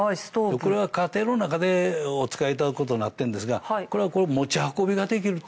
これは家庭の中でお使いいただくことになってるんですがこれは持ち運びができると。